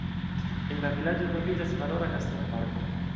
En la vilaĝo troviĝas valora kastela parko.